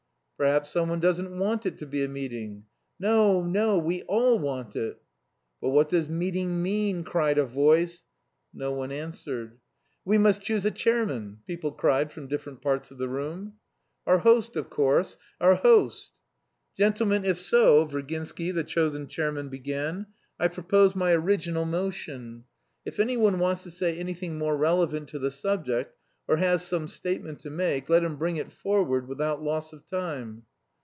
"Perhaps someone doesn't want it to be a meeting?" "No, no; we all want it." "But what does 'meeting' mean?" cried a voice. No one answered. "We must choose a chairman," people cried from different parts of the room. "Our host, of course, our host!" "Gentlemen, if so," Virginsky, the chosen chairman, began, "I propose my original motion. If anyone wants to say anything more relevant to the subject, or has some statement to make, let him bring it forward without loss of time."